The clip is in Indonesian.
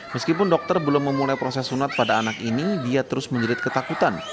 meskipun dokter belum memulai proses sunat pada anak ini dia terus menjerit ketakutan